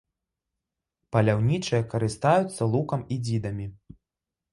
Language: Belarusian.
Паляўнічыя карыстаюцца лукам і дзідамі.